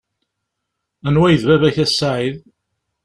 Anwa ay d baba-k a Saɛid.